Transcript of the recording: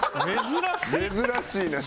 珍しいな。